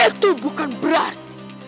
itu bukan berarti